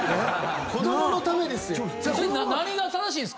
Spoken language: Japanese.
子供のためですやん。